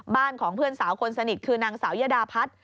บ้านของเพื่อนสาวคนสนิทคือนางสาวยดาพัฒน์